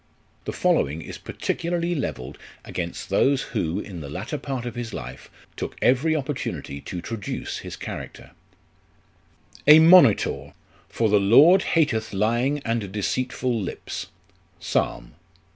The following is particularly levelled against those who, in the latter part of his life, took every opportunity to traduce his character : "A MONIXOE. " 'For the Lord hateth lying and deceitful lips.' Psalm.